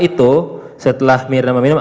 itu setelah mirna meminum